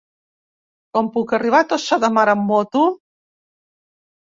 Com puc arribar a Tossa de Mar amb moto?